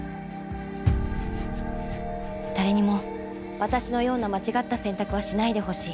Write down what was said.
誰にも私のような間違った選択はしないでほしい。